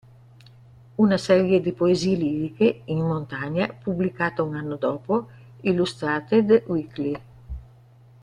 Una serie di poesie liriche, "In montagna", pubblicata un anno dopo, "Illustrated Weekly".